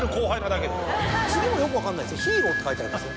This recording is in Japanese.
次もよく分かんないです「ヒーロー」って書いてあります。